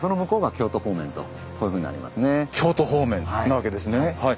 京都方面なわけですねはい。